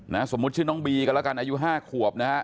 นะฮะสมมติชื่อน้องบีกันละกันอายุ๕ขวบนะฮะ